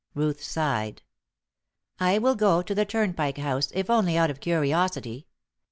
Ruth sighed. "I will go to the Turnpike House if only out of curiosity.